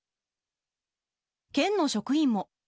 県の職員も。